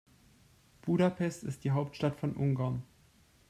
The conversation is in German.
Budapest ist die Hauptstadt von Ungarn.